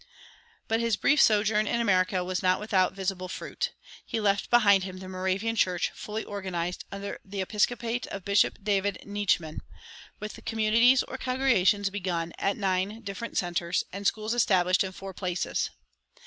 But his brief sojourn in America was not without visible fruit. He left behind him the Moravian church fully organized under the episcopate of Bishop David Nitschmann, with communities or congregations begun at nine different centers, and schools established in four places.